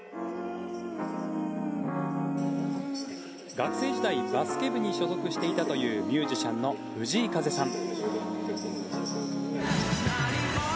学生時代バスケ部に所属していたというミュージシャンの藤井風さん。